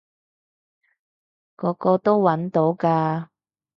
個個都搵到㗎